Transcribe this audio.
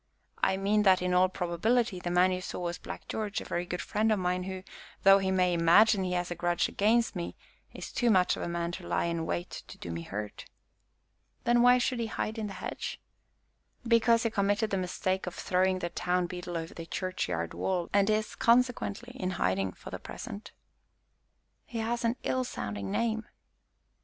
"I mean that, in all probability, the man you saw was Black George, a very good friend of mine, who, though he may imagine he has a grudge against me, is too much of a man to lie in wait to do me hurt." "Then why should he hide in the hedge?" "Because he committed the mistake of throwing the town Beadle over the churchyard wall, and is, consequently, in hiding, for the present." "He has an ill sounding name."